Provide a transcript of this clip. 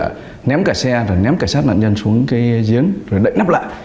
chúng tôi đã ném cả xe ném cả sát nạn nhân xuống cái giếng rồi đẩy nắp lại